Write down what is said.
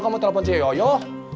kamu telepon coyoyoh